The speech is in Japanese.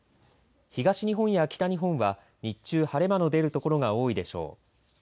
東日本や北日本は日中晴れ間の出る所が多いでしょう。